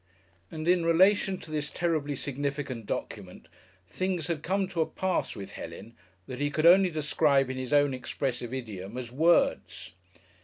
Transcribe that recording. And in relation to this terribly significant document things had come to a pass with Helen that he could only describe in his own expressive idiom as "words."